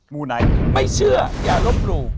มูนไหนไม่เชื่ออย่าลบลูก